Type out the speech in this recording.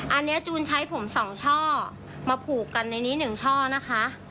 อันนี้จูนใช้ผมสองช่อมาผูกกันนี่หนึ่งช่อนะคะ